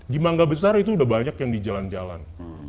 di mangga besar itu sudah banyak yang di jalan jalan